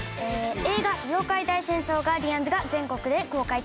映画『妖怪大戦争ガーディアンズ』が全国で公開中です。